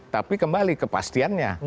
tapi kembali kepastiannya